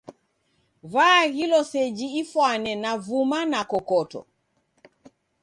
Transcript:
Vaaghilo seji ifwane na vuma na kokoto